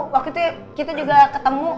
waktu itu kita juga ketemu